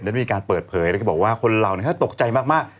ได้มีการเปิดเผยแล้วก็บอกว่าคนเราตกใจมาก